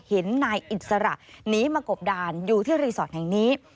เห็นนายอิสระหนีมากบดานอยู่ที่รีสอร์ทแห่งนี้